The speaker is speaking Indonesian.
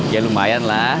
ya lumayan lah